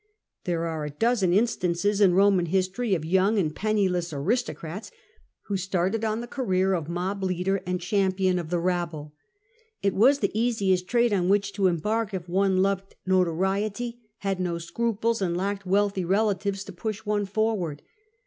There are a dozen instances in Roman history of young and penniless aris tocrats who started on the career of mob leader and champion of the rabble. It was the easiest trade on which to embark if one loved notoriety, had no scruples, and lacked wealthy relatives to push one forward.